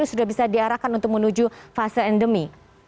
sudah bisa diarahkan untuk menuju fase endemi